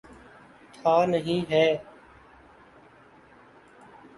تھا، نہیں ہے۔